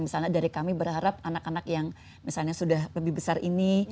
misalnya dari kami berharap anak anak yang misalnya sudah lebih besar ini